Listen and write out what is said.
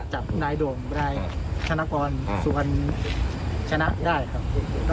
จัดนายโด่งไปได้ชนะกรส่วนชนะได้ค่ะ